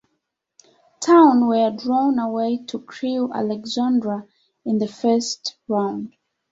Town were drawn away to Crewe Alexandra in the first round.